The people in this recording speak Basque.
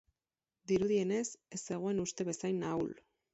Dirudienez, ez zegoen uste bezain ahul.